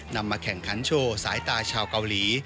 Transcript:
มาแข่งขันโชว์สายตาชาวเกาหลี